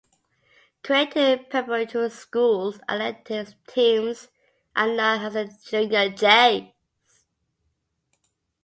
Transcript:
Creighton Preparatory School's athletic teams are known as the Junior Jays.